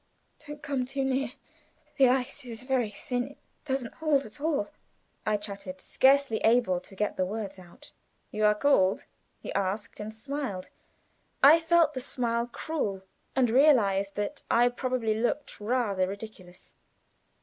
"Don't come too near; the ice is very thin it doesn't hold at all," I chattered, scarcely able to get the words out. "You are cold?" he asked, and smiled. I felt the smile cruel; and realized that I probably looked rather ludicrous.